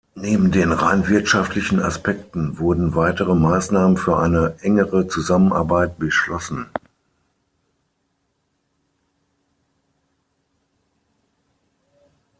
Neben den rein wirtschaftlichen Aspekten wurden weitere Maßnahmen für eine engere Zusammenarbeit beschlossen.